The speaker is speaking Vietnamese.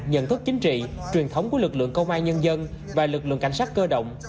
nhận thức chính trị truyền thống của lực lượng công an nhân dân và lực lượng cảnh sát cơ động